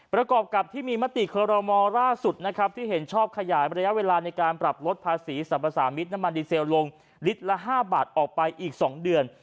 ประกอบกับที่มีมติคอรมอลล่าสุดนะครับที่เห็นชอบขยายระยะเวลาในการปรับลดภาษีสรรพสามิตรน้ำมันดีเซลลงลิตรละ๕บาทออกไปอีก๒เดือน